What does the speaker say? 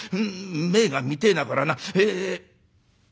銘が見てえなこらな。え」。